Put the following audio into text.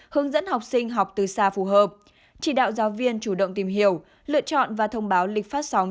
hướng dẫn học sinh học từ xa phù hợp chỉ đạo giáo viên chủ động tìm hiểu lựa chọn và thông báo lịch phát sóng